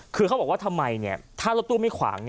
คือเขาบอกว่าทำไมถ้ารถตู้ไม่ขวาง